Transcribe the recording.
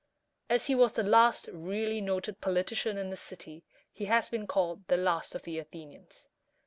As he was the last really noted politician in the city, he has been called the "Last of the Athenians."